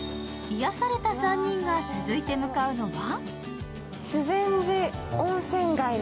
癒やされた３人が続いて向かうのは？